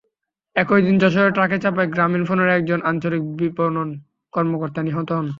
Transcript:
একই দিন যশোরে ট্রাকের চাপায় গ্রামীণফোনের একজন আঞ্চলিক বিপণন কর্মকর্তা নিহত হন।